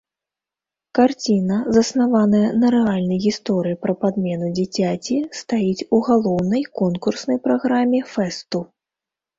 Карціна, заснаваная на рэальнай гісторыі пра падмену дзіцяці, стаіць у галоўнай конкурснай праграме фэсту.